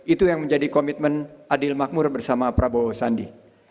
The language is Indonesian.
itu yang menjadi komitmen adil makmur bersama prabowo sandi